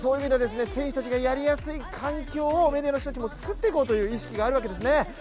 選手たちがやりやすい環境をメディアの人たちも作っていこうという意識があるわけですね。